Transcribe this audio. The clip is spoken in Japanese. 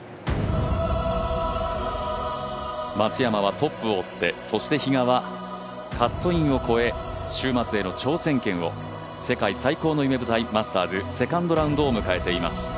松山はトップを追って、そして比嘉はカットインを超え週末への挑戦権を世界最高の夢舞台マスターズ、セカンドラウンドを迎えています。